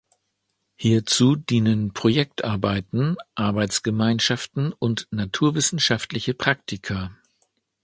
Hierzu dienen Projektarbeiten, Arbeitsgemeinschaften und naturwissenschaftliche Praktika.